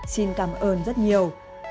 xin cảm ơn rất nhiều